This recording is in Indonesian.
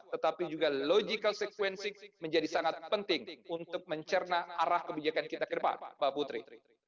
tetapi juga logical sequencing menjadi sangat penting untuk mencerna arah kebijakan kita ke depan mbak putri